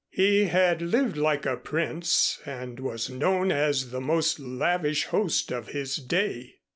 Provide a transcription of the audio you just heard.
He had lived like a prince and was known as the most lavish host of his day.